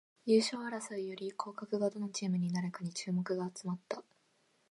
優勝争いより降格がどのチームになるかに注目が集まった